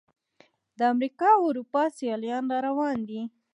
د امریکا او اروپا سیلانیان را روان دي.